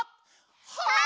はい！